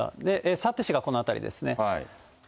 幸手市がこの辺りですね。